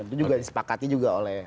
itu juga disepakati juga oleh